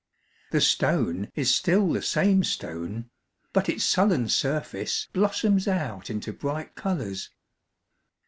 The stone is still the same stone ; but its sullen surface blossoms out into bright colours.